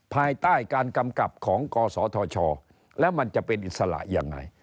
ภายใต้การกำกับของกศธชแล้วมันจะเป็นอิสระยังไง